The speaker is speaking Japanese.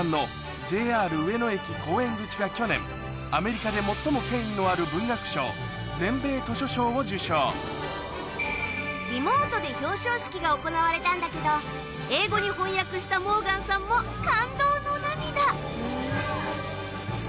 去年アメリカで最も権威のある文学賞リモートで表彰式が行われたんだけど英語に翻訳したモーガンさんも感動の涙！